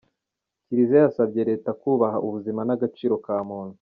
Kiliziya yasabye Leta kubaha ubuzima n’agaciro ka muntu